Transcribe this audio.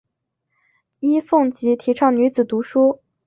尹奉吉提倡女子读书。